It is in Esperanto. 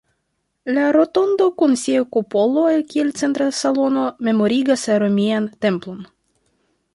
La rotondo kun sia kupolo kiel centra salono memorigas romian templon.